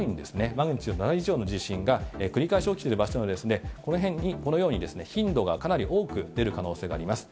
マグニチュード７以上の地震が繰り返し起きている場所なので、このように頻度がかなり多く出る可能性があります。